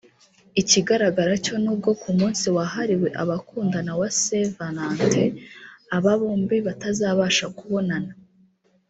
Ikigaragara cyo n’ubwo ku munsi wahriwe abakundana wa Saint Valentin aba bombi batazabasha kubonana